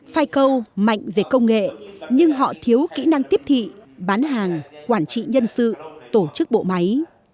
fico mạnh về công nghệ nhưng họ thiếu kỹ năng tiếp thị bán hàng quản trị nhân sự tổ chức bộ máy